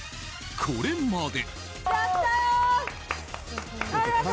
これまで。